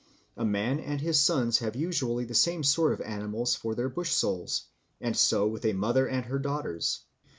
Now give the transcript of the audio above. A man and his sons have usually the same sort of animals for their bush souls, and so with a mother and her daughters.